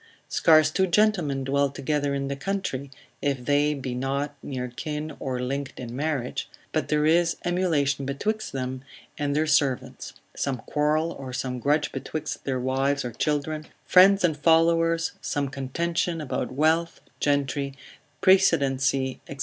Scarce two gentlemen dwell together in the country, (if they be not near kin or linked in marriage) but there is emulation betwixt them and their servants, some quarrel or some grudge betwixt their wives or children, friends and followers, some contention about wealth, gentry, precedency, &c.